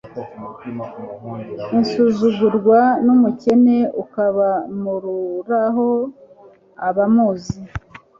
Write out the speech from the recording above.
insuzugurwa n’umukene ukabamururaho abambuzi»